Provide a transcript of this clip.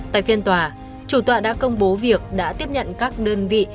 tại phiên tòa chủ tọa đã công bố việc đã tiếp nhận các đơn vị